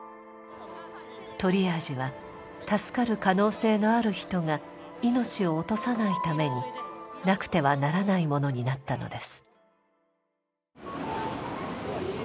トリアージは助かる可能性のある人が命を落とさないためになくてはならないものになったのです。